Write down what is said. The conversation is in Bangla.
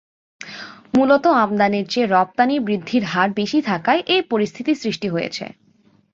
মূলত আমদানির চেয়ে রপ্তানি বৃদ্ধির হার বেশি থাকায় এই পরিস্থিতি তৈরি হয়েছে।